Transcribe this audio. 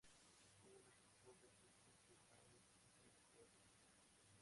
Fue magistrado del Supremo Tribunal de Justicia del Estado de Jalisco.